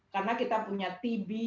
karena kita punya tb